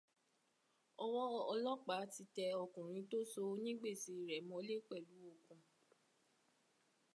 Ọwọ́ ọlọ́pàá ti tẹ ọkùnrin tó so onígbèsè rẹ̀ mọ́lẹ̀ pẹ̀lú okùn